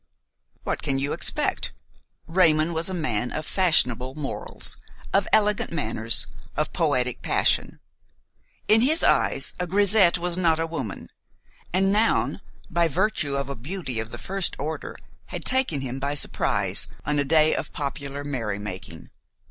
What can you expect? Raymon was a man of fashionable morals, of elegant manners, of poetic passion. In his eyes a grisette was not a woman, and Noun, by virtue of a beauty of the first order, had taken him by surprise on a day of popular merrymaking.